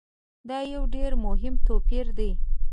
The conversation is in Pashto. دا یو ډېر مهم توپیر دی.